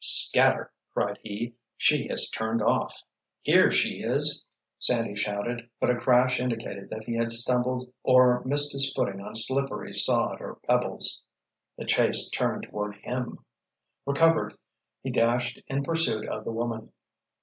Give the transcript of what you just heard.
"Scatter!" cried he. "She has turned off!" "Here she is—" Sandy shouted, but a crash indicated that he had stumbled or missed his footing on slippery sod or pebbles. The chase turned toward him. Recovered, he dashed in pursuit of the woman.